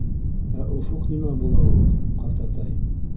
Ә офоҡ нимә була ул, ҡартатай?